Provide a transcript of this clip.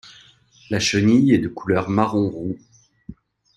La chenille est de couleur marron roux.